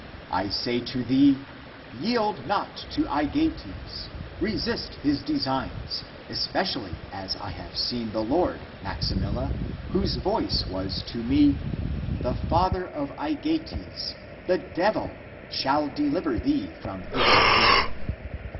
I say to thee, Yield not to Aegeates ! Resist his designs, especially as I have seen the Lord, Max imilla, whose voice was to me : the father of Aegeates, the devil, shall deliver thee from this prison!